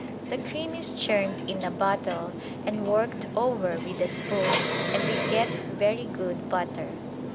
The cream is churned in a bottle and worked over with a spoon and we get very good butter.